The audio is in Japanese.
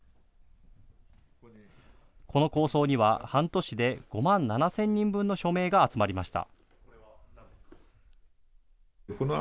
この構想には半年で５万７０００人分の署名が集まりました。